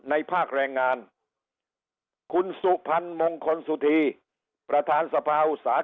ในภาคแรงงานคุณสุภัณฑ์มงคลสุธีประธานสภาอุษา